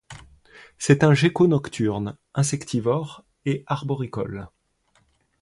C'est un gecko nocturne, insectivore et arboricole.